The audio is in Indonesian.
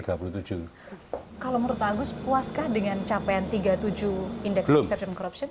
kalau menurut pak agus puaskah dengan capaian tiga puluh tujuh indeks perception corruption